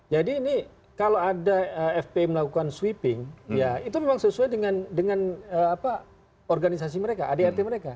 jadi ini kalau ada fpi melakukan sweeping ya itu memang sesuai dengan organisasi mereka adrt mereka